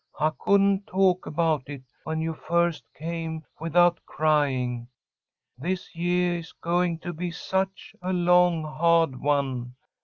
I couldn't talk about it when you first came without crying, this yeah is going to be such a long, hah'd one.